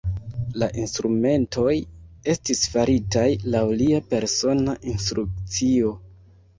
La instrumentoj estis faritaj laŭ lia persona instrukcio.